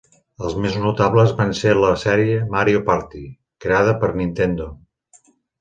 Els més notables van ser la sèrie "Mario Party", creada per Nintendo.